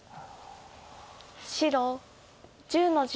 白１０の十。